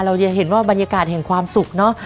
เราจะเห็นว่าบรรยากาศแห่งความสุขเนอะ